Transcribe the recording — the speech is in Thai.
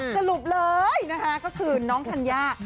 สรุปเลยนะคะเขาคืนน้องทันย่า